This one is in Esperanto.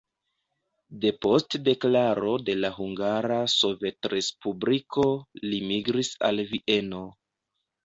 Depost deklaro de la Hungara Sovetrespubliko li migris al Vieno.